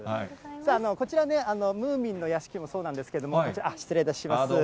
さあ、こちらね、ムーミンの屋敷もそうなんですけれども、失礼します。